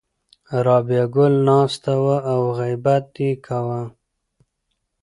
رابعه ګل ناسته وه او غیبت یې کاوه.